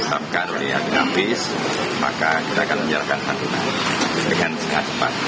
jika kita mencapai identifikasi dari nafis maka kita akan menjalankan santunan dengan sehat sempat